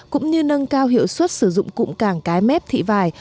cũng như nâng cao hiệu suất sử dụng cụm càng cái mép thị vài